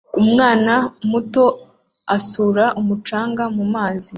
Umwana muto asuka umucanga mumasuka